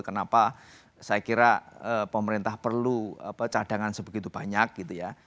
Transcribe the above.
kenapa saya kira pemerintah perlu cadangan sebegitu banyak gitu ya